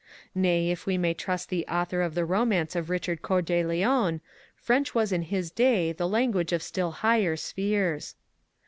* Nay, if we may trust the author of the Romance of Richard Cceur de Lion, French was in his day the language of still higher spheres